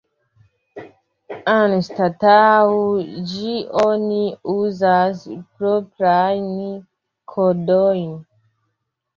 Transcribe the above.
Anstataŭ ĝi oni uzas proprajn kodojn.